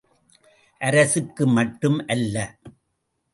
அரசுக்கு மட்டும் அல்ல.